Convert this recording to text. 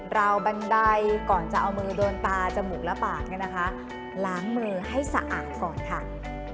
ราวบันไดก่อนจะเอามือโดนตาจมูกและปากเนี่ยนะคะล้างมือให้สะอาดก่อนค่ะ